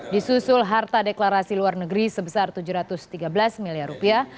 disusul harta deklarasi luar negeri sebesar tujuh ratus tiga belas miliar rupiah